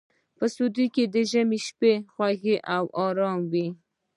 سعودي کې د ژمي شپې خوږې او ارامې وي.